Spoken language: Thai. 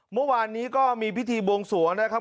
เมื่อวานนี้ก็มีพิธีบวงสวงนะครับ